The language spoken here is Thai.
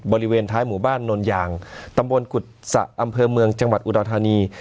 บริเวณท้ายหมู่บ้านนนยางตำบลกุศะอำเภอเมืองจังหวัดอุดรธานี